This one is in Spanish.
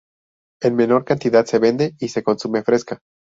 En menor cantidad se vende y se consume fresca.